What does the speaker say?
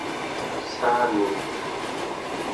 saaniik